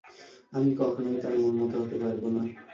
আমি কখনোই তার মনমতো হতে পারব না।